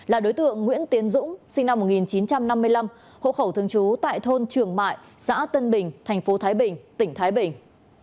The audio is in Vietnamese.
là đối tượng nguyễn tiến dũng sinh năm một nghìn chín trăm năm mươi năm hộ khẩu thường trú tại thôn trường mại xã tân bình tp thái bình tỉnh thái bình